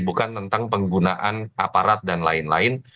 bukan tentang penggunaan aparat dan lain lain